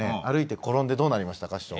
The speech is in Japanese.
歩いて転んでどうなりましたか？